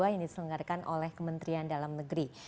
yang diselenggarakan oleh kementerian dalam negeri